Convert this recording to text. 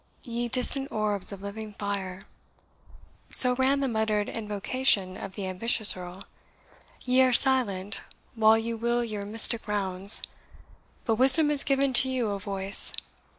"Ye distant orbs of living fire," so ran the muttered invocation of the ambitious Earl, "ye are silent while you wheel your mystic rounds; but Wisdom has given to you a voice.